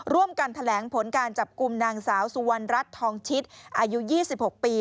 ร่วมกันแถลงผลการจับกลุ่มนางสาวสุวรรณรัฐทองชิดอายุ๒๖ปี